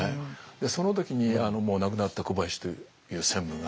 その時にもう亡くなった小林という専務が。